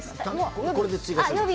これで追加するの？